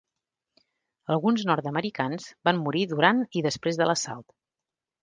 Alguns nord-americans van morir durant i després de l'assalt.